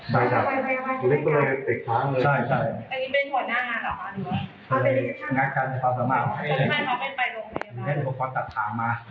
ม่อแปลงระเบิดครับใช่